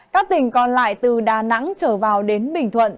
các tỉnh còn lại từ đà nẵng trở vào đến bình thuận